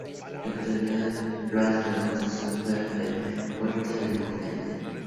La actual plaza de La Constitución fue la amplia huerta del Convento.